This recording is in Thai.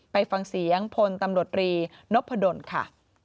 ไปฟังเสียงพลตำรวจรีนพดลค่ะ